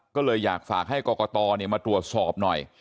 ก็เลยอยากฝากให้กรกตมาตรวจสอบหน่อย